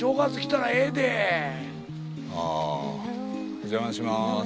お邪魔しまーす。